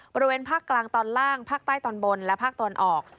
บริเวณภาคกลางตอนล่างภาคใต้ตอนบนและภาคตะวันออก